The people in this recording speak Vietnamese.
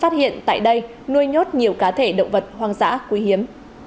phát hiện tại đây nuôi nhốt nhiều cá thể động vật hoang dã quý hiếm